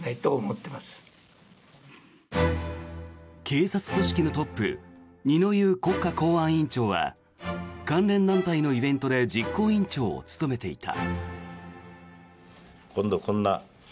警察組織のトップ二之湯国家公安委員長は関連団体のイベントで実行委員長を務めていた。